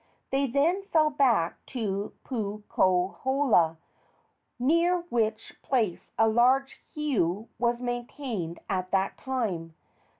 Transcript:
They then fell back to Puukohola, near which place a large heiau was maintained at that time.